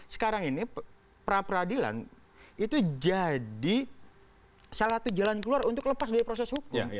sekarang ini pra peradilan itu jadi salah satu jalan keluar untuk lepas dari proses hukum